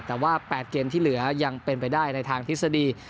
แต่ว่า๘เกมที่เหลือยังเป็นไปได้ในทางทฤษฎี